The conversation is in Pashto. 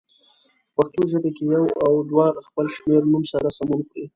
په پښتو ژبه کې یو او دوه له خپل شمېرنوم سره سمون خوري.